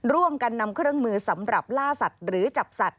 ร่วมกันนำเครื่องมือสำหรับล่าสัตว์หรือจับสัตว